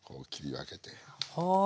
はあ。